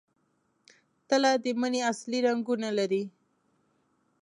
تله د مني اصلي رنګونه لري.